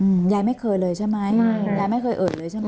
อืมยายไม่เคยเลยใช่ไหมใช่ยายไม่เคยเอ่ยเลยใช่ไหม